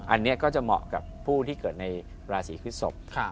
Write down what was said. อันนี้ก็จะเหมาะกับผู้ที่เกิดในราศีพฤศพ